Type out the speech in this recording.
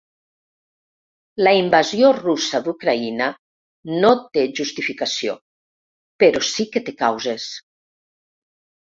La invasió russa d’Ucraïna no té justificació, però sí que té causes.